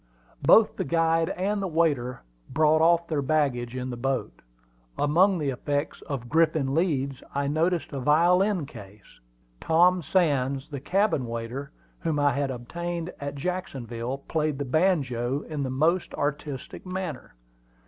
Both the guide and the waiter brought off their baggage in the boat. Among the effects of Griffin Leeds I noticed a violin case. Tom Sands, the cabin waiter, whom I had obtained at Jacksonville, played the banjo in the most artistic manner.